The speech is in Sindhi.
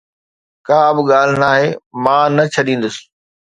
ڪا به ڳالهه ناهي، مان نه ڇڏيندس